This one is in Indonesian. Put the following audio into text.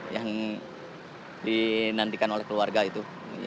yang dinantikan oleh keluarga itu